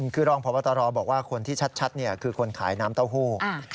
คือรองพบตรบอกว่าคนที่ชัดคือคนขายน้ำเต้าหู้